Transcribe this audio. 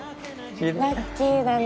ラッキーだね。